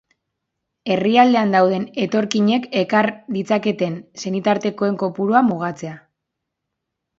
Herrialdean dauden etorkinek ekar ditzaketen senitartekoen kopurua mugatzea.